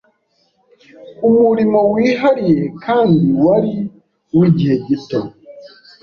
umurimo wihariye kandi wari uw 'igihe gito.